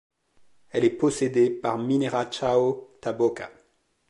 Elle est possédée par Mineração Taboca.